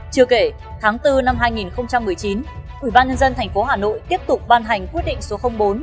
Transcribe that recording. chưa kể tháng bốn năm hai nghìn một mươi chín ủy ban nhân dân thành phố hà nội tiếp tục bàn hành quyết định số bốn